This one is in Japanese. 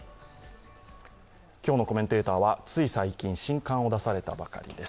今日のコメンテーターは、つい最近新刊を出されたばかりです